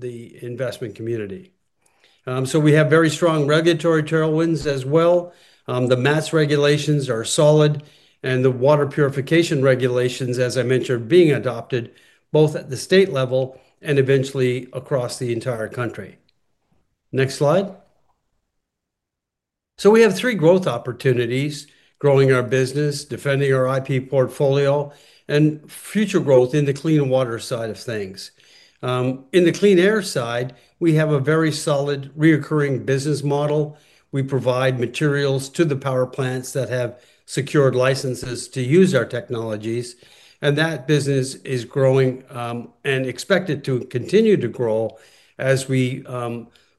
The investment community. We have very strong regulatory tailwinds as well. The MATS regulations are solid, and the water purification regulations, as I mentioned, are being adopted both at the state level and eventually across the entire country. Next slide. We have three growth opportunities: growing our business, defending our intellectual property portfolio, and future growth in the clean water side of things. In the clean air side, we have a very solid recurring business model. We provide materials to the power plants that have secured licenses to use our technologies. That business is growing and expected to continue to grow as we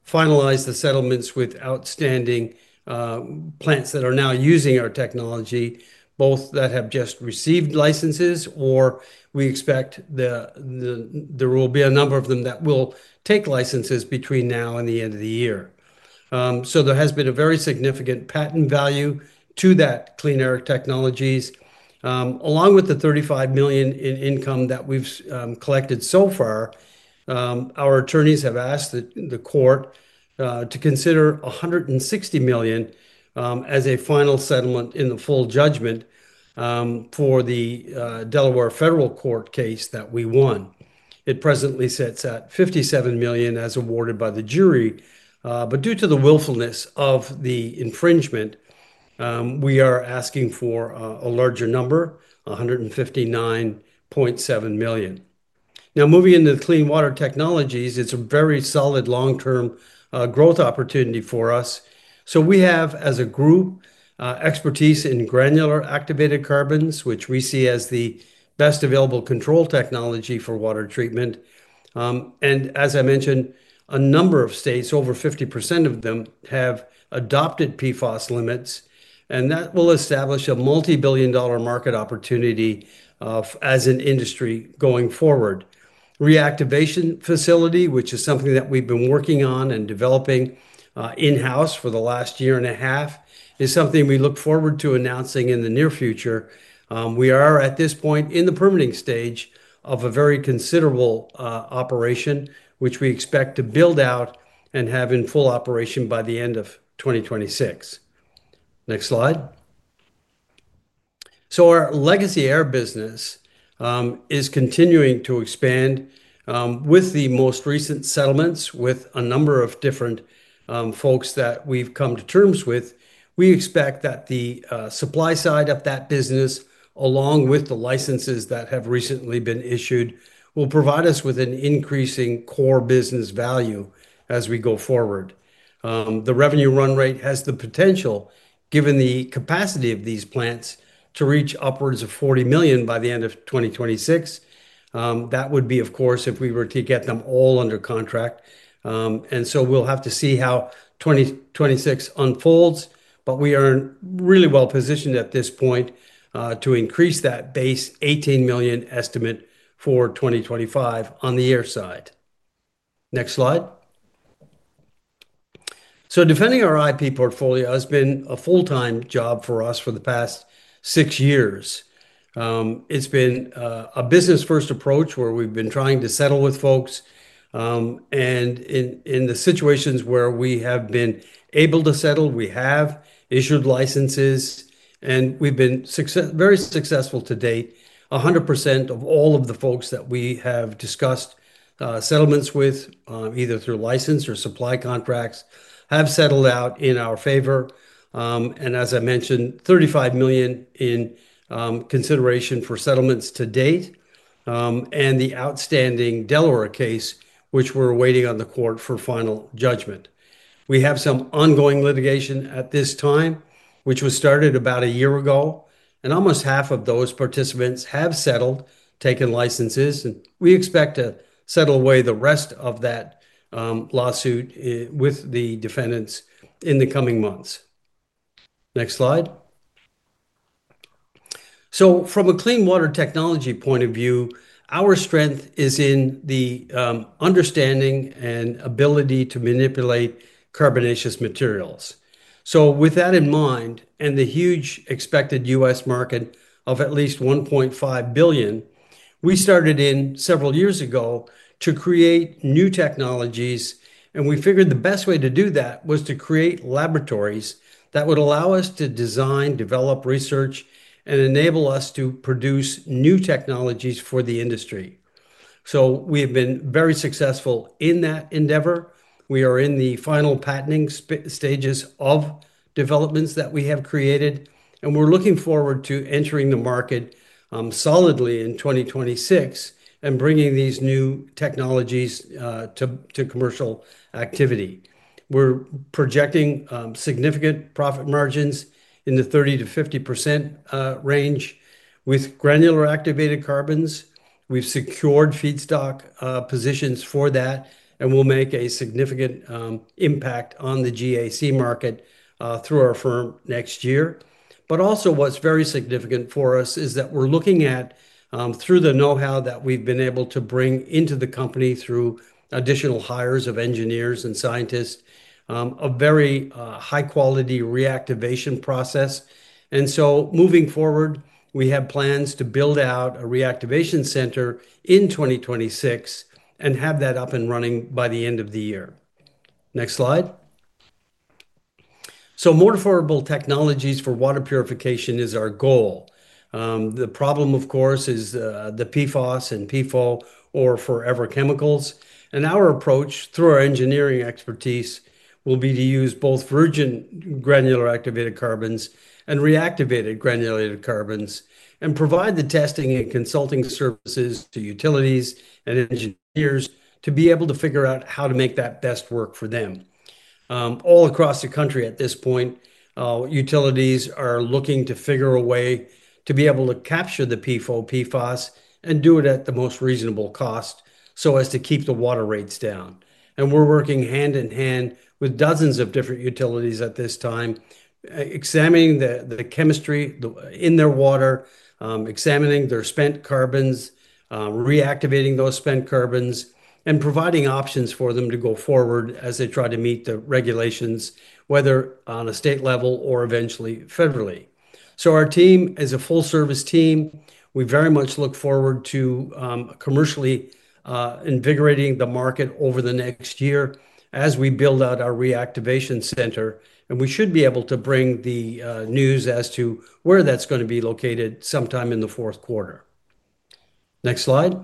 finalize the settlements with outstanding plants that are now using our technology, both that have just received licenses or we expect there will be a number of them that will take licenses between now and the end of the year. There has been a very significant patent value to that clean air technologies. Along with the $35 million in income that we've collected so far, our attorneys have asked the court to consider $160 million as a final settlement in the full judgment for the Delaware federal court case that we won. It presently sits at $57 million as awarded by the jury. Due to the willfulness of the infringement, we are asking for a larger number, $159.7 million. Now, moving into the clean water technologies, it's a very solid long-term growth opportunity for us. We have, as a group, expertise in granular activated carbon, which we see as the best available control technology for water treatment. As I mentioned, a number of states, over 50% of them, have adopted PFAS limits. That will establish a multi-billion dollar market opportunity as an industry going forward. Reactivation facility, which is something that we've been working on and developing in-house for the last year and a half, is something we look forward to announcing in the near future. We are, at this point, in the permitting stage of a very considerable operation, which we expect to build out and have in full operation by the end of 2026. Next slide. Our legacy air business is continuing to expand with the most recent settlements with a number of different folks that we've come to terms with. We expect that the supply side of that business, along with the licenses that have recently been issued, will provide us with an increasing core business value as we go forward. The revenue run rate has the potential, given the capacity of these plants, to reach upwards of $40 million by the end of 2026. That would be, of course, if we were to get them all under contract. We will have to see how 2026 unfolds. We are really well-positioned at this point to increase that base $18 million estimate for 2025 on the air side. Next slide. Defending our intellectual property portfolio has been a full-time job for us for the past six years. It's been a business-first approach where we've been trying to settle with folks. In the situations where we have been able to settle, we have issued licenses, and we've been very successful to date. 100% of all of the folks that we have discussed settlements with, either through license or supply contracts, have settled out in our favor. As I mentioned, $35 million in consideration for settlements to date and the outstanding Delaware case, which we're awaiting on the court for final judgment. We have some ongoing litigation at this time, which was started about a year ago. Almost half of those participants have settled, taken licenses. We expect to settle away the rest of that lawsuit with the defendants in the coming months. Next slide. From a clean water technology point of view, our strength is in the understanding and ability to manipulate carbonaceous materials. With that in mind and the huge expected U.S. market of at least $1.5 billion, we started in several years ago to create new technologies. We figured the best way to do that was to create laboratories that would allow us to design, develop, research, and enable us to produce new technologies for the industry. We have been very successful in that endeavor. We are in the final patenting stages of developments that we have created. We're looking forward to entering the market solidly in 2026 and bringing these new technologies to commercial activity. We're projecting significant profit margins in the 30%-50% range with granular activated carbon. We've secured feedstock positions for that. We will make a significant impact on the GAC market through our firm next year. What is also very significant for us is that we're looking at, through the know-how that we've been able to bring into the company through additional hires of engineers and scientists, a very high-quality reactivation process. Moving forward, we have plans to build out a reactivation center in 2026 and have that up and running by the end of the year. Next slide. More affordable technologies for water purification is our goal. The problem, of course, is the PFAS and PFOA, or forever chemicals. Our approach, through our engineering expertise, will be to use both virgin granular activated carbon and reactivated granular carbon and provide the testing and consulting services to utilities and engineers to be able to figure out how to make that best work for them. All across the country at this point, utilities are looking to figure a way to be able to capture the PFOA, PFAS, and do it at the most reasonable cost to keep the water rates down. We are working hand in hand with dozens of different utilities at this time, examining the chemistry in their water, examining their spent carbons, reactivating those spent carbons, and providing options for them to go forward as they try to meet the regulations, whether on a state level or eventually federally. Our team is a full-service team. We very much look forward to commercially invigorating the market over the next year as we build out our reactivation center. We should be able to bring the news as to where that's going to be located sometime in the fourth quarter. Next slide.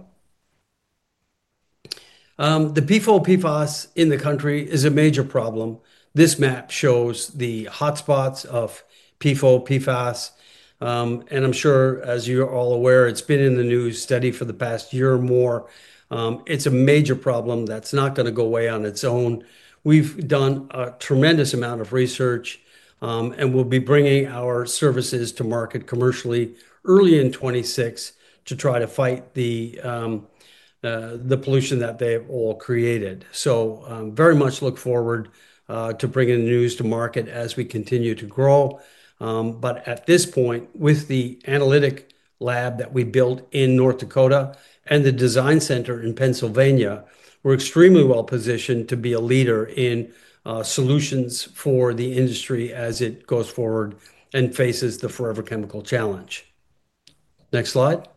The PFOA, PFAS in the country is a major problem. This map shows the hotspots of PFOA, PFAS. As you're all aware, it's been in the news steady for the past year or more. It's a major problem that's not going to go away on its own. We've done a tremendous amount of research and will be bringing our services to market commercially early in 2026 to try to fight the pollution that they've all created. We very much look forward to bringing the news to market as we continue to grow. At this point, with the analytical lab that we built in North Dakota and the design center in Pennsylvania, we're extremely well-positioned to be a leader in solutions for the industry as it goes forward and faces the forever chemical challenge. Next slide.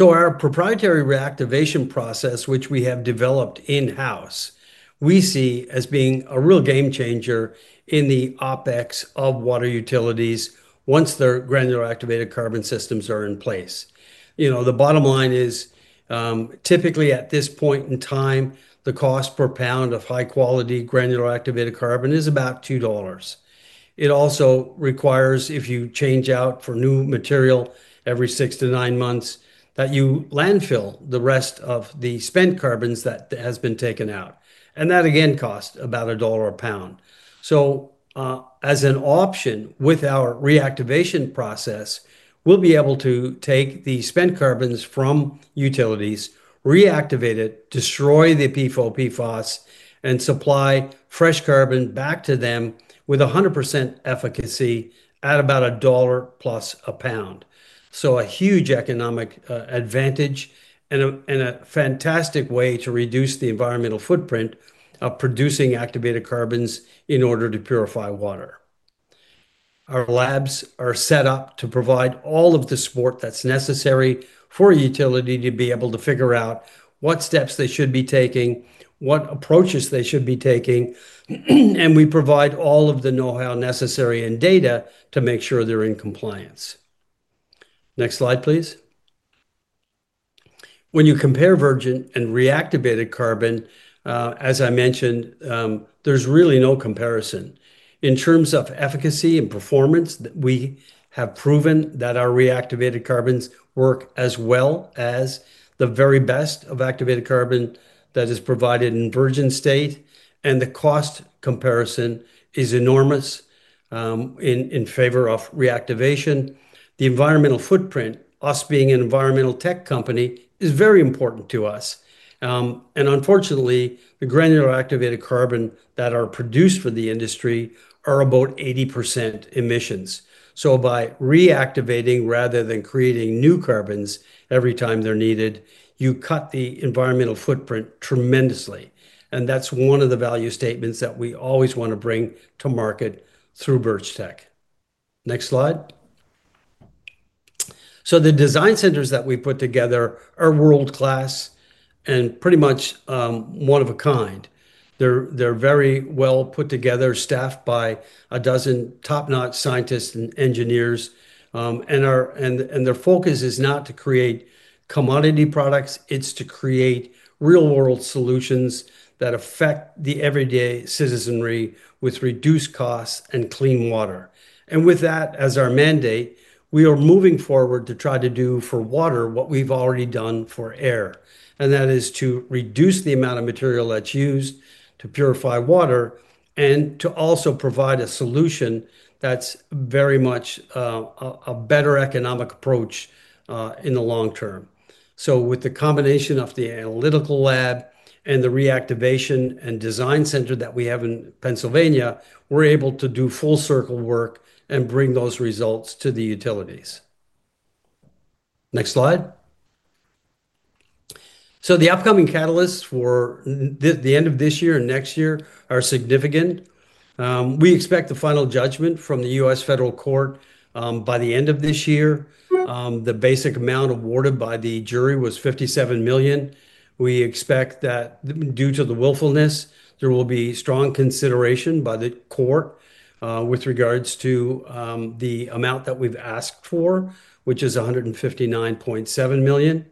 Our proprietary reactivation process, which we have developed in-house, we see as being a real game changer in the OpEx of water utilities once their granular activated carbon systems are in place. The bottom line is, typically at this point in time, the cost per pound of high-quality granular activated carbon is about $2. It also requires, if you change out for new material every six to nine months, that you landfill the rest of the spent carbons that have been taken out. That, again, costs about $1 a pound. As an option with our reactivation process, we'll be able to take the spent carbons from utilities, reactivate it, destroy the PFOA, PFAS, and supply fresh carbon back to them with 100% efficacy at about $1 plus a pound. This is a huge economic advantage and a fantastic way to reduce the environmental footprint of producing activated carbons in order to purify water. Our labs are set up to provide all of the support that's necessary for a utility to be able to figure out what steps they should be taking, what approaches they should be taking. We provide all of the know-how necessary and data to make sure they're in compliance. Next slide, please. When you compare virgin and reactivated carbon, as I mentioned, there's really no comparison. In terms of efficacy and performance, we have proven that our reactivated carbons work as well as the very best of activated carbon that is provided in virgin state. The cost comparison is enormous in favor of reactivation. The environmental footprint, us being an environmental tech company, is very important to us. Unfortunately, the granular activated carbon that are produced for the industry are about 80% emissions. By reactivating rather than creating new carbons every time they're needed, you cut the environmental footprint tremendously. That is one of the value statements that we always want to bring to market through Birchtech. Next slide. The design centers that we put together are world-class and pretty much one of a kind. They're very well put together, staffed by a dozen top-notch scientists and engineers. Their focus is not to create commodity products. It's to create real-world solutions that affect the everyday citizenry with reduced costs and clean water. With that as our mandate, we are moving forward to try to do for water what we've already done for air. That is to reduce the amount of material that's used to purify water and to also provide a solution that's very much a better economic approach in the long term. With the combination of the analytical lab and the reactivation and design center that we have in Pennsylvania, we're able to do full circle work and bring those results to the utilities. Next slide. The upcoming catalysts for the end of this year and next year are significant. We expect the final judgment from the U.S. federal court by the end of this year. The basic amount awarded by the jury was $57 million. We expect that due to the willfulness, there will be strong consideration by the court with regards to the amount that we've asked for, which is $159.7 million.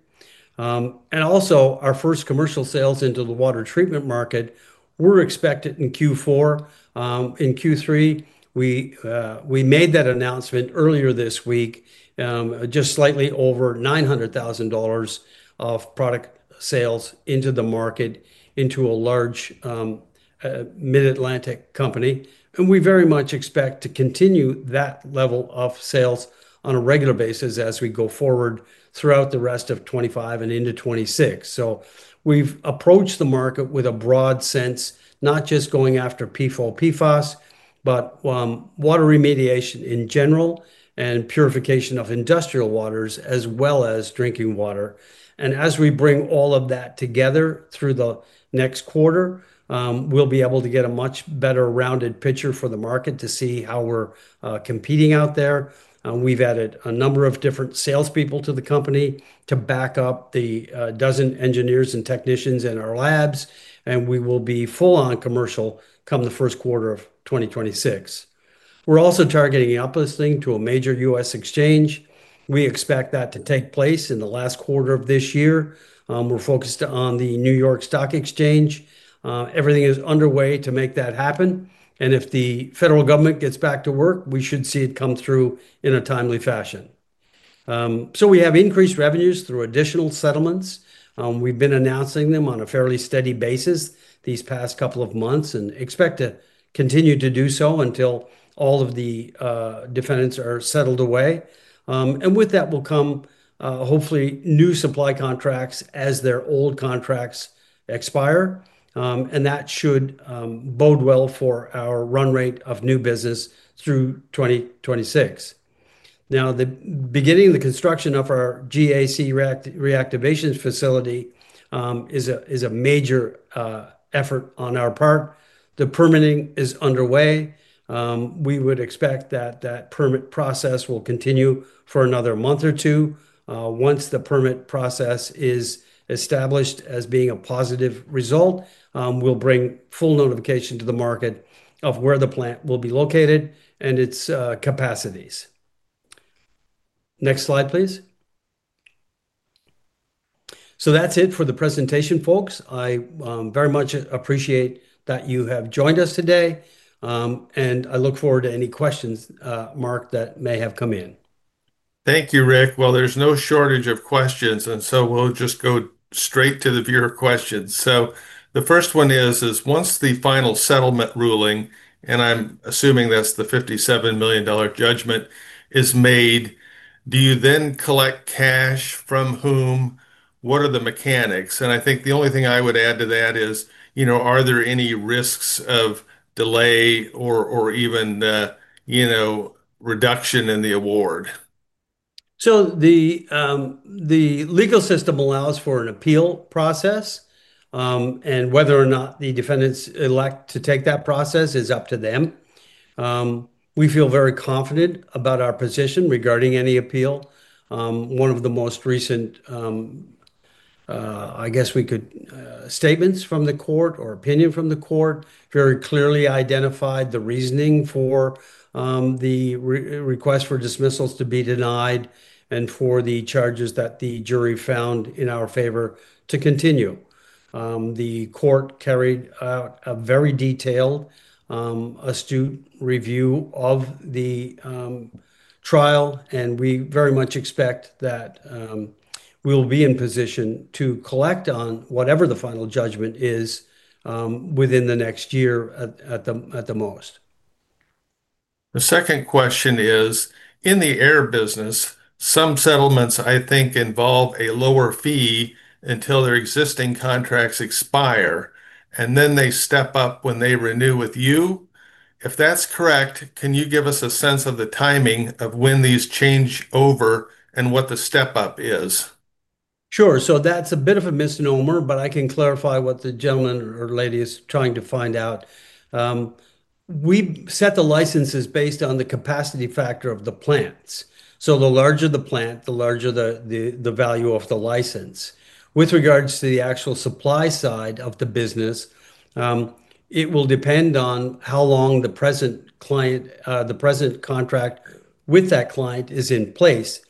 Our first commercial sales into the water treatment market were expected in Q4. In Q3, we made that announcement earlier this week, just slightly over $900,000 of product sales into the market, into a large Mid-Atlantic company. We very much expect to continue that level of sales on a regular basis as we go forward throughout the rest of 2025 and into 2026. We have approached the market with a broad sense, not just going after PFOA, PFAS, but water remediation in general and purification of industrial waters as well as drinking water. As we bring all of that together through the next quarter, we'll be able to get a much better rounded picture for the market to see how we're competing out there. We've added a number of different salespeople to the company to back up the dozen engineers and technicians in our labs. We will be full-on commercial come the first quarter of 2026. We're also targeting the uplisting to a major U.S. exchange. We expect that to take place in the last quarter of this year. We're focused on the New York Stock Exchange. Everything is underway to make that happen. If the federal government gets back to work, we should see it come through in a timely fashion. We have increased revenues through additional settlements. We've been announcing them on a fairly steady basis these past couple of months and expect to continue to do so until all of the defendants are settled away. With that will come, hopefully, new supply contracts as their old contracts expire. That should bode well for our run rate of new business through 2026. The beginning of the construction of our GAC reactivation facility is a major effort on our part. The permitting is underway. We would expect that that permit process will continue for another month or two. Once the permit process is established as being a positive result, we'll bring full notification to the market of where the plant will be located and its capacities. Next slide, please. That's it for the presentation, folks. I very much appreciate that you have joined us today. I look forward to any questions, Mark, that may have come in. Thank you, Rick. There is no shortage of questions. We'll just go straight to the viewer questions. The first one is, once the final settlement ruling, and I'm assuming that's the $57 million judgment, is made, do you then collect cash? From whom? What are the mechanics? I think the only thing I would add to that is, you know, are there any risks of delay or even reduction in the award? The legal system allows for an appeal process. Whether or not the defendants elect to take that process is up to them. We feel very confident about our position regarding any appeal. One of the most recent statements from the court or opinion from the court very clearly identified the reasoning for the request for dismissals to be denied and for the charges that the jury found in our favor to continue. The court carried out a very detailed, astute review of the trial. We very much expect that we'll be in position to collect on whatever the final judgment is within the next year at the most. The second question is, in the air business, some settlements, I think, involve a lower fee until their existing contracts expire. They step up when they renew with you. If that's correct, can you give us a sense of the timing of when these change over and what the step-up is? Sure. That's a bit of a misnomer, but I can clarify what the gentleman or lady is trying to find out. We set the licenses based on the capacity factor of the plants. The larger the plant, the larger the value of the license. With regards to the actual supply side of the business, it will depend on how long the present client, the present contract with that client is in place.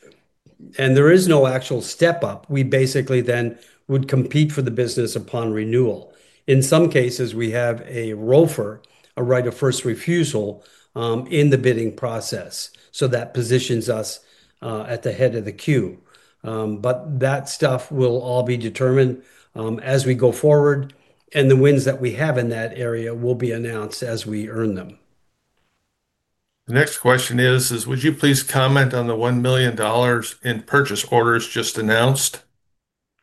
There is no actual step-up. We basically then would compete for the business upon renewal. In some cases, we have a ROFR, a right of first refusal, in the bidding process. That positions us at the head of the queue. That stuff will all be determined as we go forward. The wins that we have in that area will be announced as we earn them. The next question is, would you please comment on the $1 million in purchase orders just announced?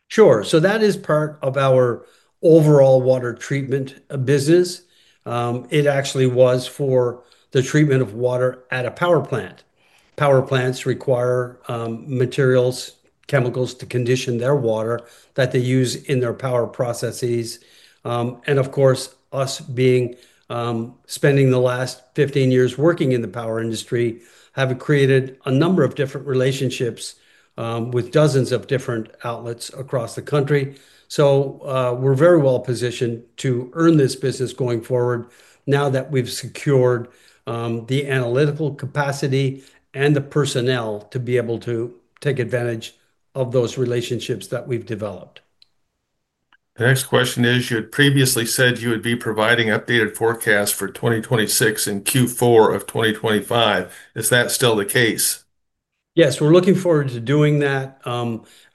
Sure. That is part of our overall water treatment business. It actually was for the treatment of water at a power plant. Power plants require materials, chemicals to condition their water that they use in their power processes. Of course, us spending the last 15 years working in the power industry have created a number of different relationships with dozens of different outlets across the country. We are very well positioned to earn this business going forward now that we've secured the analytical capacity and the personnel to be able to take advantage of those relationships that we've developed. The next question is, you had previously said you would be providing updated forecasts for 2026 and Q4 of 2025. Is that still the case? Yes, we're looking forward to doing that.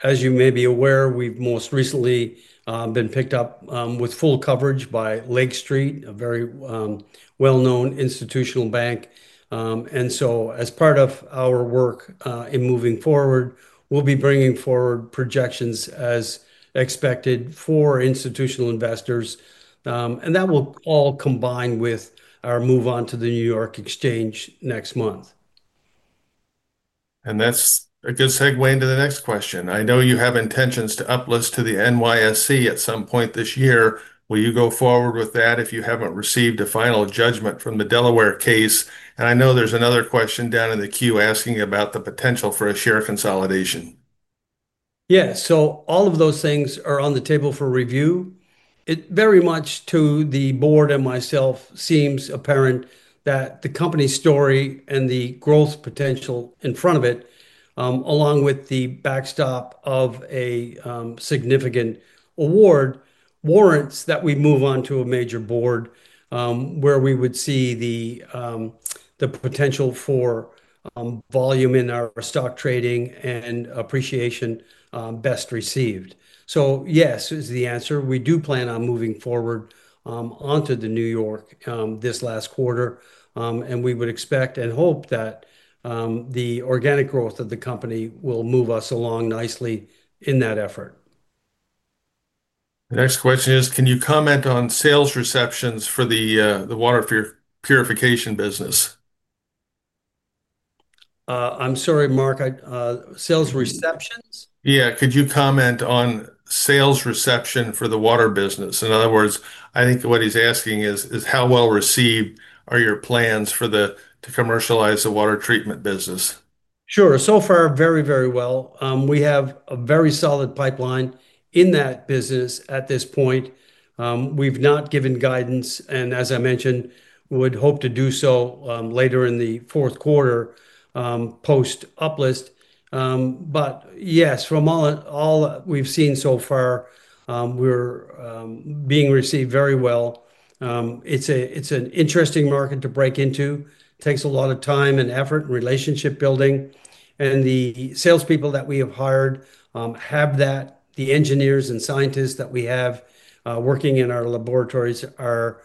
As you may be aware, we've most recently been picked up with full coverage by Lake Street, a very well-known institutional bank. As part of our work in moving forward, we'll be bringing forward projections as expected for institutional investors. That will all combine with our move on to the New York Exchange next month. That's a good segue into the next question. I know you have intentions to uplist to the New York Stock Exchange at some point this year. Will you go forward with that if you haven't received a final judgment from the Delaware case? I know there's another question down in the queue asking about the potential for a share consolidation. Yes, so all of those things are on the table for review. It very much to the board and myself seems apparent that the company story and the growth potential in front of it, along with the backstop of a significant award, warrants that we move on to a major board where we would see the potential for volume in our stock trading and appreciation best received. Yes, is the answer. We do plan on moving forward onto the New York Stock Exchange this last quarter. We would expect and hope that the organic growth of the company will move us along nicely in that effort. The next question is, can you comment on sales receptions for the water purification business? I'm sorry, Mark. Sales receptions? Yeah, could you comment on sales reception for the water business? In other words, I think what he's asking is, how well received are your plans to commercialize the water treatment business? Sure. So far, very, very well. We have a very solid pipeline in that business at this point. We've not given guidance, and as I mentioned, would hope to do so later in the fourth quarter post-uplisting. Yes, from all we've seen so far, we're being received very well. It's an interesting market to break into. It takes a lot of time and effort, relationship building. The salespeople that we have hired have that. The engineers and scientists that we have working in our laboratories are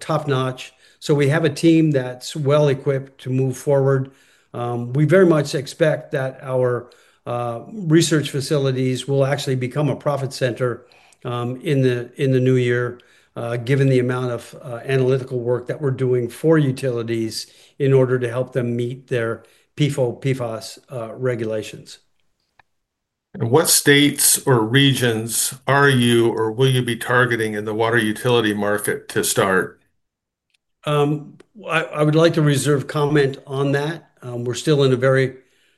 top-notch. We have a team that's well equipped to move forward. We very much expect that our research facilities will actually become a profit center in the new year, given the amount of analytical work that we're doing for utilities in order to help them meet their PFOA, PFAS regulations. What states or regions are you or will you be targeting in the water utility market to start? I would like to reserve comment on that. We're still in a very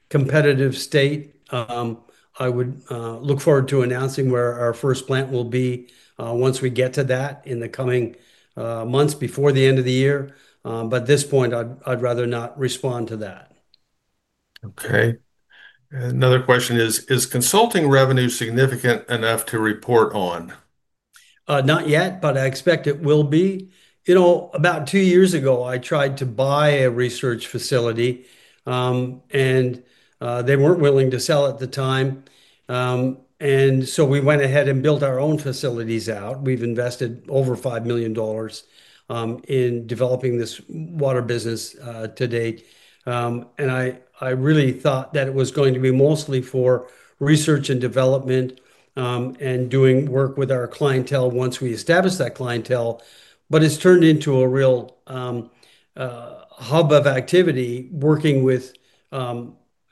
competitive state. I would look forward to announcing where our first plant will be once we get to that in the coming months before the end of the year. At this point, I'd rather not respond to that. OK. Another question is, is consulting revenue significant enough to report on? Not yet, but I expect it will be. About two years ago, I tried to buy a research facility. They weren't willing to sell at the time, so we went ahead and built our own facilities out. We've invested over $5 million in developing this water business to date. I really thought that it was going to be mostly for research and development and doing work with our clientele once we established that clientele. It's turned into a real hub of activity working with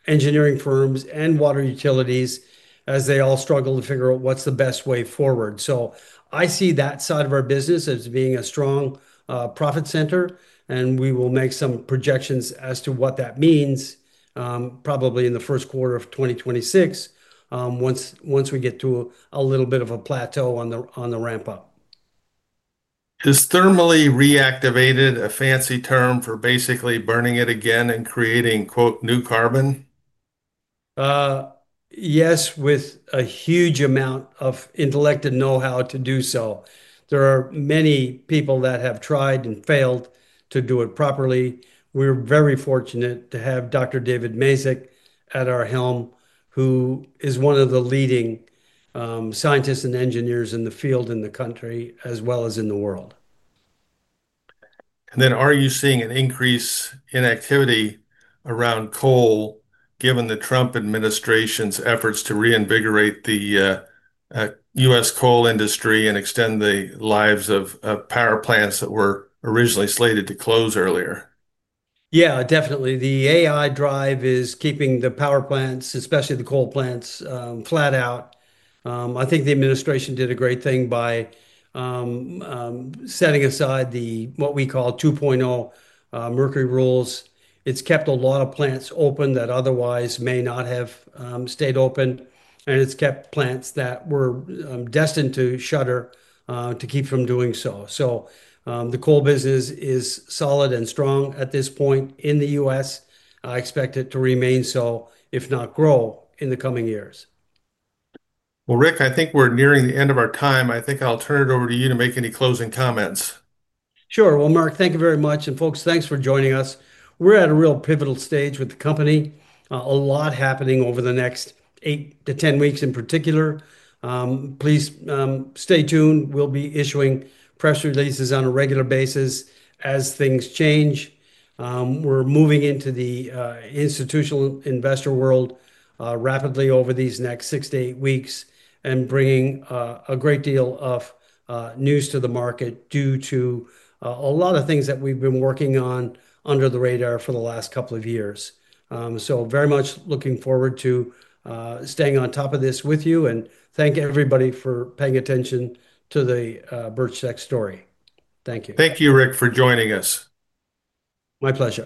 engineering firms and water utilities as they all struggle to figure out what's the best way forward. I see that side of our business as being a strong profit center. We will make some projections as to what that means probably in the first quarter of 2026 once we get to a little bit of a plateau on the ramp up. Is thermally reactivated a fancy term for basically burning it again and creating "new carbon"? Yes, with a huge amount of intellect and know-how to do so. There are many people that have tried and failed to do it properly. We're very fortunate to have Dr. David Mazyck at our helm, who is one of the leading scientists and engineers in the field in the country, as well as in the world. Are you seeing an increase in activity around coal, given the Trump administration's efforts to reinvigorate the U.S. coal industry and extend the lives of power plants that were originally slated to close earlier? Yeah, definitely. The AI drive is keeping the power plants, especially the coal plants, flat out. I think the administration did a great thing by setting aside what we call 2.0 mercury rules. It's kept a lot of plants open that otherwise may not have stayed open. It's kept plants that were destined to shutter to keep from doing so. The coal business is solid and strong at this point in the U.S. I expect it to remain so, if not grow, in the coming years. Rick, I think we're nearing the end of our time. I think I'll turn it over to you to make any closing comments. Sure. Mark, thank you very much. Folks, thanks for joining us. We're at a real pivotal stage with the company, a lot happening over the next eight to 10 weeks in particular. Please stay tuned. We'll be issuing press releases on a regular basis as things change. We're moving into the institutional investor world rapidly over these next six to eight weeks and bringing a great deal of news to the market due to a lot of things that we've been working on under the radar for the last couple of years. Very much looking forward to staying on top of this with you. Thank everybody for paying attention to the Birchtech story. Thank you. Thank you, Rick, for joining us. My pleasure.